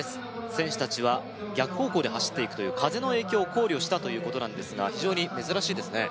選手たちは逆方向で走っていくという風の影響を考慮したということなんですが非常に珍しいですね